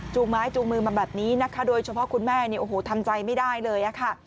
ไม้จูงมือมาแบบนี้นะคะโดยเฉพาะคุณแม่เนี่ยโอ้โหทำใจไม่ได้เลยค่ะ